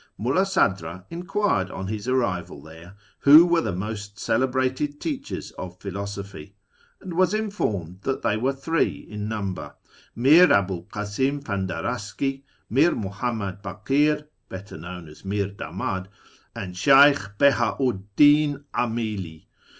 Mulh'i Hadr;i enquired on his arrival there who were the most celebrated teachers of philosophy, and was informed that they were three in number, Mir Abu'l Kiisim Fandaraski, Mir Muhammad B;ikir, better known as Mir Damad, and Sheykh Beha'u'd Din 'Aniili.